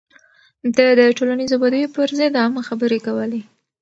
ده د ټولنيزو بديو پر ضد عامه خبرې کولې.